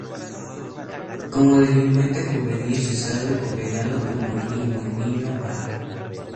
Como delincuente juvenil, fue procesado y condenado como el "Niño A".